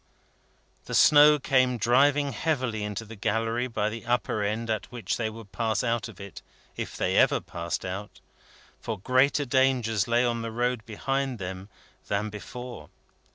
The snow came driving heavily into the gallery by the upper end at which they would pass out of it, if they ever passed out; for greater dangers lay on the road behind them than before.